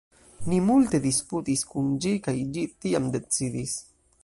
ni multe disputis kun ĝi kaj ĝi tiam decidis